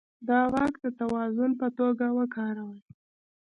د واک د توازن په توګه وکاروي.